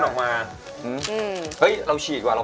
เห็นรึเปล่าชั้นบอกแล้ว